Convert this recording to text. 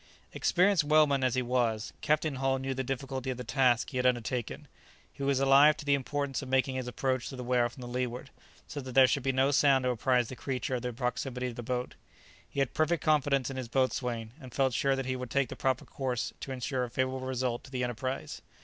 Experienced whaleman as he was, Captain Hull knew the difficulty of the task he had undertaken, he was alive to the importance of making his approach to the whale from the leeward, so that there should be no sound to apprize the creature of the proximity of the boat. He had perfect confidence in his boatswain, and felt sure that he would take the proper course to insure a favourable result to the enterprise.